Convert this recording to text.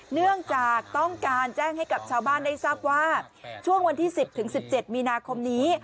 เนื่องจากต้องการแจ้งให้กับชาวบ้านได้ทรัพย์ว่าช่วงวันที่สิบถึงสิบเจ็บมีนาคมนี้